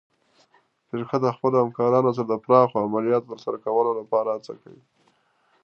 فرقه د خپلو همکارانو سره د پراخو عملیاتو ترسره کولو لپاره هڅه کوي.